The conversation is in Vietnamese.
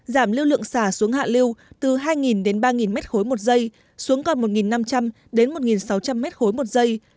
giảm lưu lượng xả xuống hạ lưu từ hai đến ba m ba một giây xuống còn một năm trăm linh đến một sáu trăm linh m ba một giây